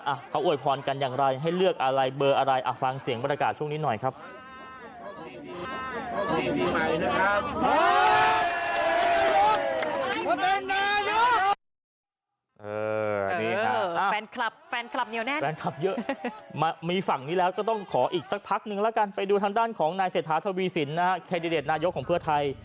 เขาอวยพรกันอย่างไรให้เลือกอะไรเบอร์อะไรอ่ะฟังเสียงบรรยากาศช่วงนี้หน่อยครับ